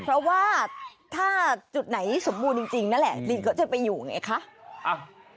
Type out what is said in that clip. เพราะว่าถ้าจุดไหนสมบูรณ์จริงนั่นแหละลิงก็จะไปอยู่ไงคะ